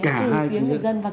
cả hai phía